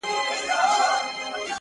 د تاریخي کرنې محصولات خړوبېدل.